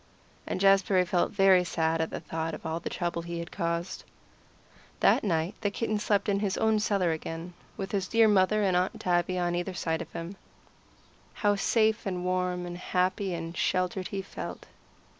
And Jazbury felt very sad at the thought of all the trouble he had caused. That night the kitten slept in his own cellar again, with his dear mother and Aunt Tabby, one on either side of him. How safe and warm and happy and sheltered he felt.